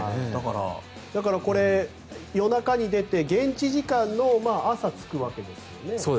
だから、夜中に出て現地時間の朝着くわけですよね。